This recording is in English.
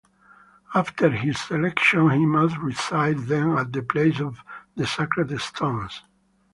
After his election he must recite them at the place of the sacred stones.